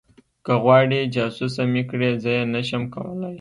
که غواړې جاسوسه مې کړي زه یې نشم کولی